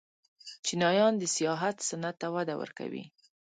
چینایان د سیاحت صنعت ته وده ورکوي.